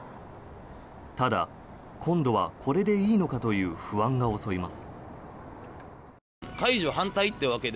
ただ、今度はこれでいいのかという不安が襲います。